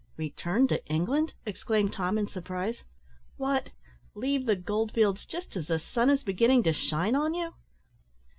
"Return to England!" exclaimed Tom, in surprise. "What! leave the gold fields just as the sun is beginning to shine on you?"